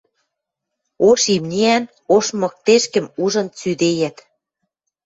Ош имниӓн ош мыктешкӹм ужын цӱдейӓт.